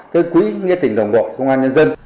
cái quỹ nghĩa tỉnh đồng đội công an nhân dân